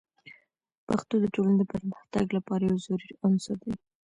پښتو د ټولنې د پرمختګ لپاره یو ضروري عنصر دی.